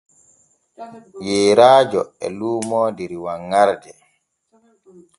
Yeeraajo e luumoo der wanŋarde.